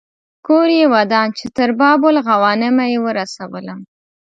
کور یې ودان چې تر باب الغوانمه یې ورسولم.